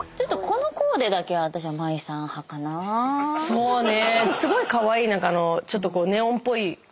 そうね。